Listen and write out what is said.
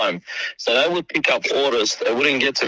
meskipun kita menyalahkan mesin